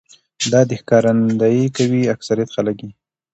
دا دې ښکارنديي کوي اکثريت خلک يې